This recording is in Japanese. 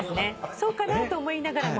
そうかなと思いながらも。